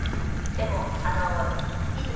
でもいつですか？